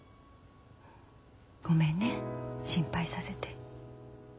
ごめんね心配させて。